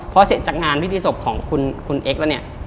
พอเสร็จจากงานพิธีศพของคุณเอ็กซ์แล้วเนี่ย